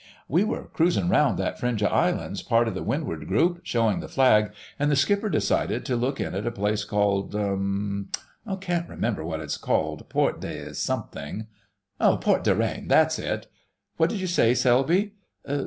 "We were cruising round that fringe of islands, part of the Windward Group, showing the Flag, and the Skipper decided to look in at a place called ... h'm'm. Can't remember what it's called—Port des something ... Port des Reines, that's it,—what did you say, Selby?"